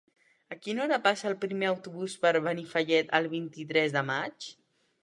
A quina hora passa el primer autobús per Benifallet el vint-i-tres de maig?